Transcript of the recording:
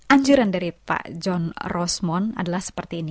anjuran dari pak john rosmond adalah seperti ini